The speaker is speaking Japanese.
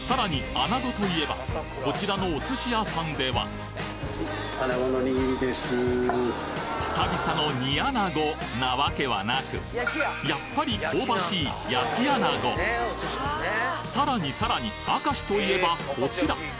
穴子といえばこちらのお寿司屋さんでは久々の煮穴子な訳はなくやっぱり香ばしい焼き穴子さらにさらに明石といえばこちら！